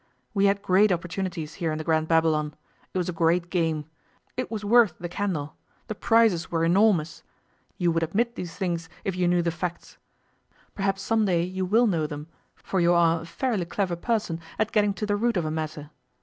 We had great opportunities, here in the Grand Babylon. It was a great game. It was worth the candle. The prizes were enormous. You would admit these things if you knew the facts. Perhaps some day you will know them, for you are a fairly clever person at getting to the root of a matter.